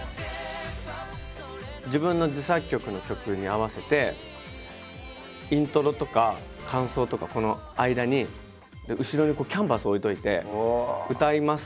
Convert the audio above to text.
自分の自作曲の曲に合わせてイントロとか間奏とかこの間に後ろにこうキャンバス置いておいて歌います。